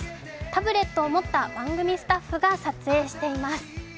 タブレットを持った番組スタッフが撮影しています。